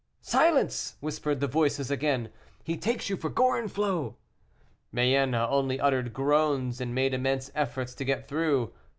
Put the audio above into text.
"Silence!" whispered the voices again; "he takes you for Gorenflot." Mayenne only uttered groans, and made immense efforts to get through.